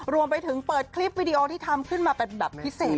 รวมไปถึงเปิดคลิปวิดีโอที่ทำขึ้นมาเป็นแบบพิเศษ